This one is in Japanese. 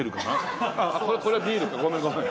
これはビールってごめんごめん。